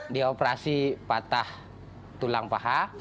di operasi patah tulang paha